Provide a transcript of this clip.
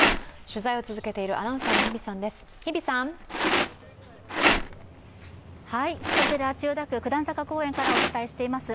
取材を続けているアナウンサーの日比さんです。